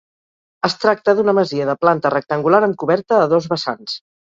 Es tracta d'una masia de planta rectangular amb coberta a dos vessants.